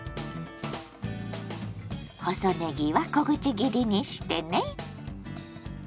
細ねぎは小口切りにしてね。